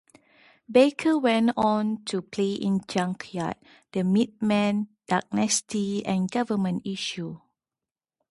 Baker went on to play in Junkyard, the Meatmen, Dag Nasty and Government Issue.